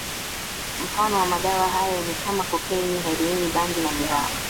Mfano wa madawa hayo ni kama kokaini heroini bangi na miraa